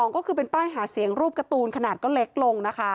ก็คือเป็นป้ายหาเสียงรูปการ์ตูนขนาดก็เล็กลงนะคะ